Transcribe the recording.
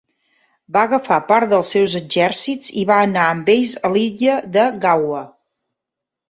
Va agafar part dels seus exèrcits i va anar amb ells a l'illa de Ganghwa.